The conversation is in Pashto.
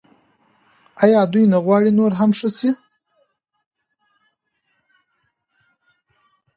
آیا دوی نه غواړي نور هم ښه شي؟